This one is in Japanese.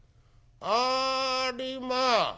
「ありまあ！